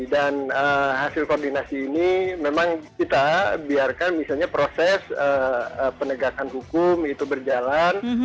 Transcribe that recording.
dan hasil koordinasi ini memang kita biarkan misalnya proses penegakan hukum itu berjalan